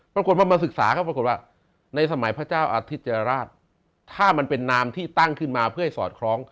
ปรากฏว่ามาศึกษาก็ปรากฏว่าในสมัยพระเจ้าอาทิตยราชถ้ามันเป็นนามที่ตั้งขึ้นมาเพื่อให้สอดคล้อง